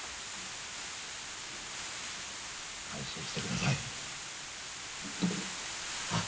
安心してください。さあ。